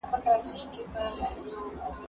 که وخت وي، ښوونځی ته ځم!.